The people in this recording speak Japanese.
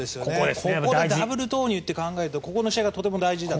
ここでダブル投入と考えるとこの試合がとても大事です。